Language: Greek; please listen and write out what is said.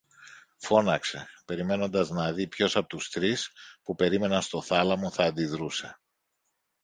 φώναξε, περιμένοντας να δει ποιος από τους τρεις που περίμεναν στο θάλαμο θα αντιδρούσε